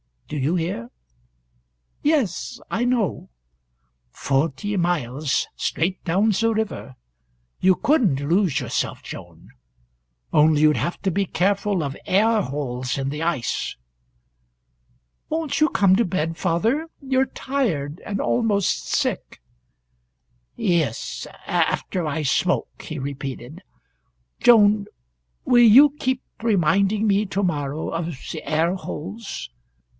Do you hear?" "Yes I know " "Forty miles straight down the river. You couldn't lose yourself, Joan. Only you'd have to be careful of air holes in the ice." "Won't you come to bed, father? You're tired and almost sick." "Yes after I smoke," he repeated. "Joan, will you keep reminding me to morrow of the air holes?